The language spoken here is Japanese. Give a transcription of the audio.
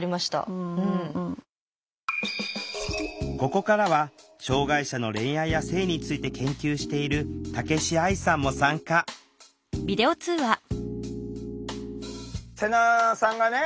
ここからは障害者の恋愛や性について研究している武子愛さんも参加セナさんがね